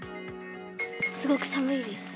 すごく寒いです。